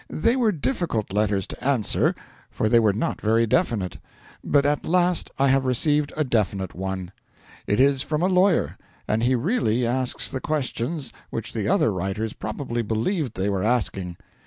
They were difficult letters to answer, for they were not very definite. But at last I have received a definite one. It is from a lawyer, and he really asks the questions which the other writers probably believed they were asking.